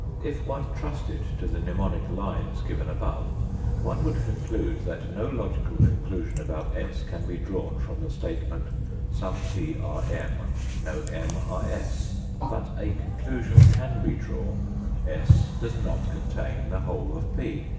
If one trusted to the mnemonic lines given above, one would conclude that no logical conclusion about s can be drawn from the statement, " some P are M, no M are s." But a conclusion can be drawn : s does not contain the whole of p.